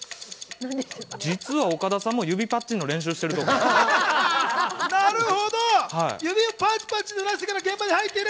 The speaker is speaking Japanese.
実は岡田さんも指パッチンの練習をしている。